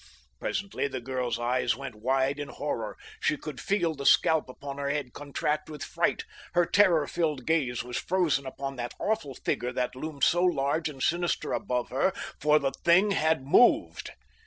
Presently the girl's eyes went wide in horror. She could feel the scalp upon her head contract with fright. Her terror filled gaze was frozen upon that awful figure that loomed so large and sinister above her, for the thing had moved!